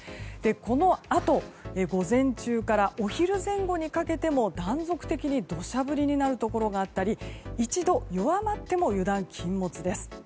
このあと、午前中からお昼前後にかけても断続的に土砂降りになるところがあったり一度弱まっても油断禁物です。